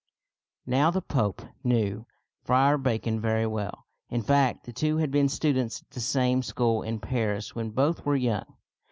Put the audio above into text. Now the Pope knew Friar Bacon very well. In fact, the two had been students at the same school in Paris when both were young.